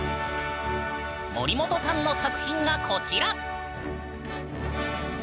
森本さんの作品がこちら。